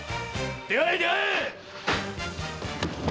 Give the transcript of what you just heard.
出会え出会えー！